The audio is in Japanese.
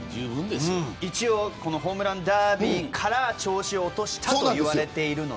一応ホームランダービーから調子を落としたと言われているので。